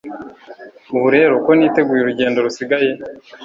Ubu rero ko niteguye urugendo rusigaye